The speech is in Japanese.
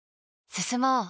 進もう。